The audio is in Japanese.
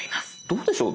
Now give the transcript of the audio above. どうでしょう？